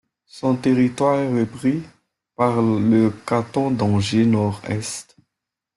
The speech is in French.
Son territoire est repris par le canton d'Angers-Nord-Est.